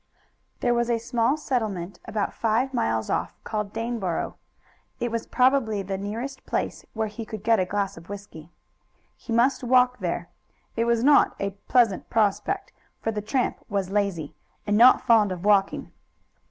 There was a small settlement about five miles off called Daneboro. It was probably the nearest place where he could get a glass of whisky. He must walk there. It was not a pleasant prospect, for the tramp was lazy and not fond of walking.